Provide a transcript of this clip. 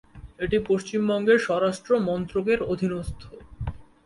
এটি পশ্চিমবঙ্গের স্বরাষ্ট্র মন্ত্রকের অধীনস্থ।